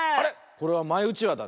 これはマイうちわだね。